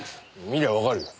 見りゃわかるよ。